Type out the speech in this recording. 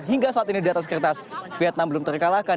hingga saat ini di atas kertas vietnam belum terkalahkan